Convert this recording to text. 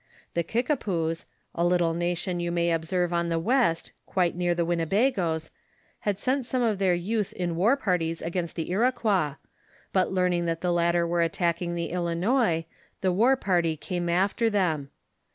The Kik apous, a little nation you may observe on the west, quite near the Winnebagoes, had sent some of their youth in war parties against the Iroquois, but learning that the latter were attack* ing the Ilinois, the war party came after them.